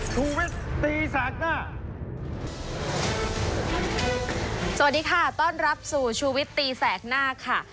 สวัสดีค่ะต้อนรับสู่ชูวิตตีแสกหน้าค่ะ